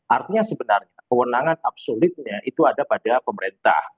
artinya sebenarnya kewenangan absolidnya itu ada pada pemerintah